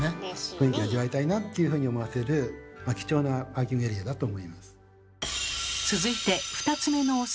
雰囲気味わいたいなっていうふうに思わせる貴重なパーキングエリアだと思います。